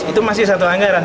itu masih satu anggaran